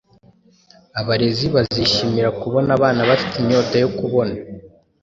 abarezi bazishimira kubona abana bafite inyota yo kubona